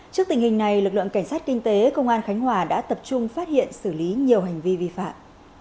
trước tình hình này lực lượng cảnh sát kinh tế công an khánh hòa đã tập trung phát hiện xử lý nhiều hành vi vi phạm